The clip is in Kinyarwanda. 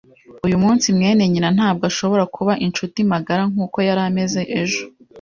Uyu munsi, mwene nyina ntabwo ashobora kuba inshuti magara nkuko yari ameze ejo.